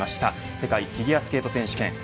世界フィギュアスケート選手権。